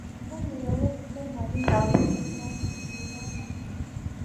موږ له یوه ستر مالي ناورین سره لاس و ګرېوان وو.